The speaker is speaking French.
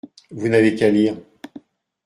Vous n’avez qu’à lire.